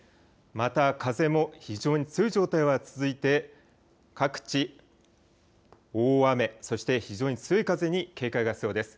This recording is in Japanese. また風も非常に強い状態は続いて各地、大雨、そして非常に強い風に警戒が必要です。